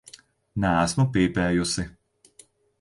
Neesmu pīpējusi.